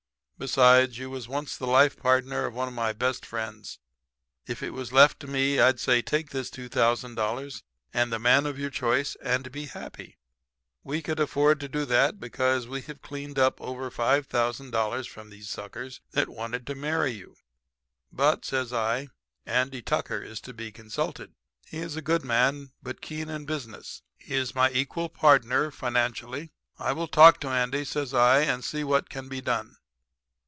Besides, you was once the life partner of one of my best friends. If it was left to me I'd say take this $2,000 and the man of your choice and be happy. "'We could afford to do that, because we have cleaned up over $5,000 from these suckers that wanted to marry you. But,' says I, 'Andy Tucker is to be consulted. "'He is a good man, but keen in business. He is my equal partner financially. I will talk to Andy,' says I, 'and see what can be done.'